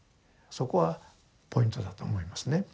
そこはポイントだと思いますね。